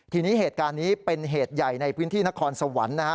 ทีนี้เหตุการณ์นี้เป็นเหตุใหญ่ในพื้นที่นครสวรรค์นะฮะ